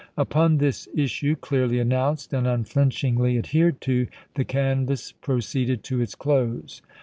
Upon this issue, clearly announced and unflinchingly adhered to, the canvass proceeded to its close.